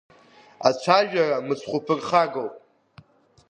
Ацәажәара мыцхә уԥырхагоуп.